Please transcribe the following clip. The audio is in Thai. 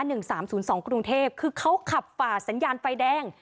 หนึ่งสามศูนย์สองกรุงเทพคือเขาขับฝ่าสัญญาณไฟแดง